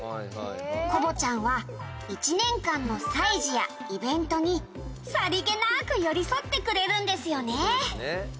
「『コボちゃん』は１年間の歳時やイベントにさりげなく寄り添ってくれるんですよね」